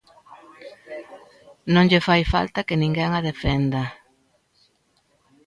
Non lle fai falta que ninguén a defenda.